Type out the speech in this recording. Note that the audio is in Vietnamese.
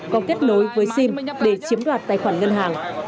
có kết nối với sim để chiếm đoạt tài khoản ngân hàng